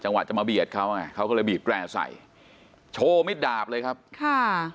วะจะมาเบียดเขาไงเขาก็เลยบีบแร่ใส่โชว์มิดดาบเลยครับค่ะ